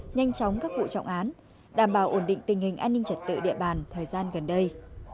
nhanh chóng các vụ trọng án đảm bảo ổn định tình hình an ninh trật tự địa bàn thời gian gần đây